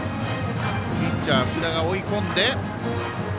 ピッチャー、福田が追い込んで。